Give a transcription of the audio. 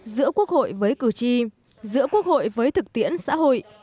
giữa quốc hội với cử tri giữa quốc hội với thực tiễn xã hội